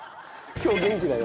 今日元気だね。